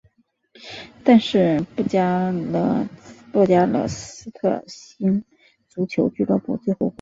但是布加勒斯特星足球俱乐部最后雇佣了。